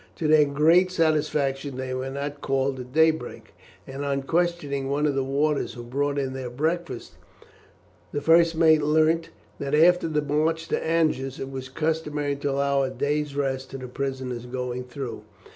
To their great satisfaction they were not called at daybreak, and on questioning one of the warders who brought in their breakfast, the first mate learnt that after the march to Angers it was customary to allow a day's rest to the prisoners going through.